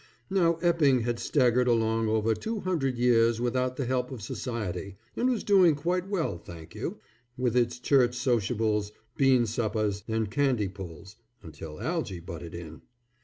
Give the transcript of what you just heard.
Now Epping had staggered along over two hundred years without the help of society, and was doing quite well thank you, with its church sociables, bean suppers, and candy pulls, until Algy butted in.